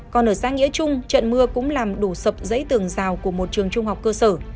còn ở xã nghĩa trung trận mưa cũng làm đổ sập dãy tường rào của một trường trung học cơ sở